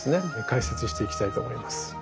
解説していきたいと思います。